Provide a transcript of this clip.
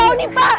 katau nih pak